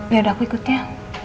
ya udah aku ikut ya